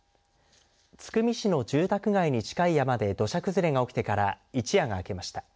津久見市の住宅街に近い山で土砂崩れが起きてから一夜が明けました。